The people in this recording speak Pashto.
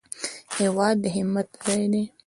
هېواد د همت ځای دی